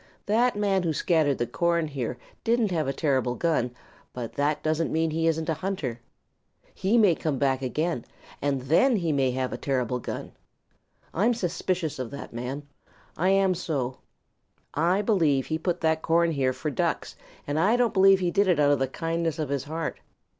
That man who scattered the corn here didn't have a terrible gun, but that doesn't mean that he isn't a hunter. He may come back again, and then he may have a terrible gun. I'm suspicious of that man. I am so. I believe he put that corn here for Ducks and I don't believe he did it out of the kindness of his heart.